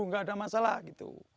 gak ada masalah gitu